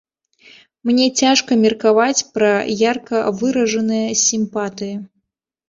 Мне цяжка меркаваць пра ярка выражаныя сімпатыі.